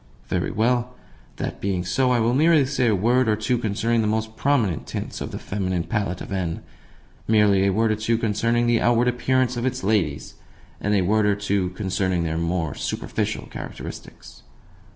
Very well. That being so, I will merely say a word or two concerning the most prominent tints on the feminine palette of N. merely a word or two concerning the outward appearance of its ladies, and a word or two concerning their more superficial characteristics.